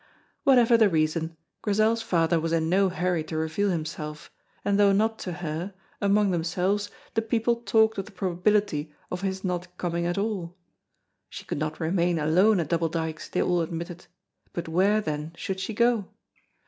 Whatever the reason, Grizel's father was in no hurry to reveal himself, and though not to her, among themselves the people talked of the probability of his not coming at all. She could not remain alone at Double Dykes, they all admitted, but where, then, should she go?